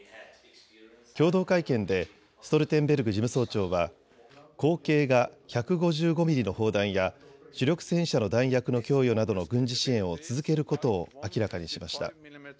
共同会見でストルテンベルグ事務総長は口径が１５５ミリの砲弾や主力戦車の弾薬の供与などの軍事支援を続けることを明らかにしました。